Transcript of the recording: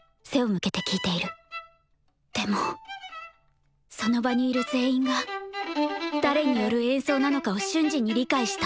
でもその場にいる全員が誰による演奏なのかを瞬時に理解した。